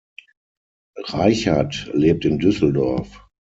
Reichert lebt in Düsseldorf.